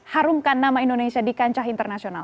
harumkan nama indonesia di kancah internasional